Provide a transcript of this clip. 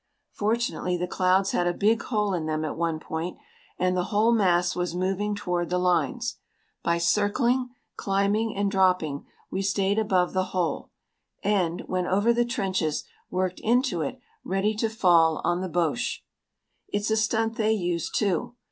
Fortunately the clouds had a big hole in them at one point and the whole mass was moving toward the lines. By circling, climbing, and dropping we stayed above the hole, and, when over the trenches, worked into it, ready to fall on the Boches. It's a stunt they use, too.